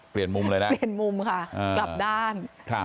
เปลี่ยนมุมเลยนะเปลี่ยนมุมค่ะกลับด้าน